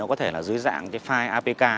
có thể dưới dạng file apk